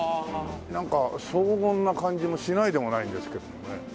なんか荘厳な感じもしないでもないんですけどもね。